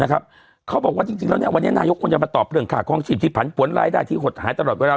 เขาบอกว่าจริงแล้ววันนี้นายกควรจะมาตอบเรื่องค่าคลองชีพที่ผันปวนรายได้ที่หดหายตลอดเวลา